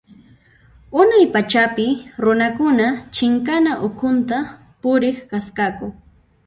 Unay pachapi runakuna chinkana ukhunta puriq kasqaku.